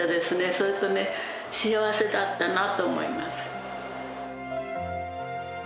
それとね、幸せだったなって思います。